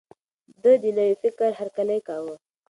ده د نوي فکر هرکلی کاوه.